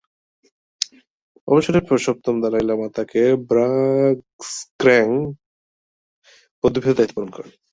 অবসরের পর সপ্তম দলাই লামা তাকে র্বা-স্গ্রেং বৌদ্ধবিহারের দায়িত্ব প্রদান করেন।